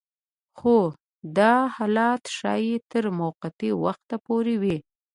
خو دا حالت ښايي تر موقتي وخته پورې وي